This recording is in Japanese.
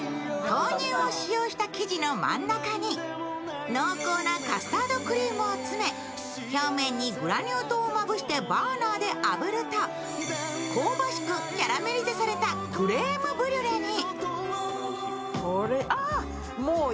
豆乳を使用した生地の真ん中に、濃厚なカスタードクリームを詰め表面にグラニュー糖をまぶしてバーナーであぶると香ばしくキャラメリゼされたクレームブリュレに。